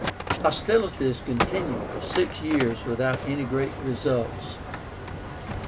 Hostilities continued for six years without any great results.